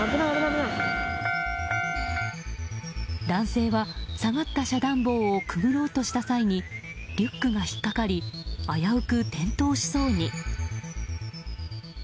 男性は下がった遮断棒をくぐろうをした際にリュックが引っ掛かり危うく転倒しそうに。